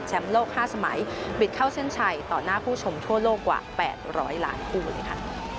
โลก๕สมัยบิดเข้าเส้นชัยต่อหน้าผู้ชมทั่วโลกกว่า๘๐๐ล้านคู่เลยค่ะ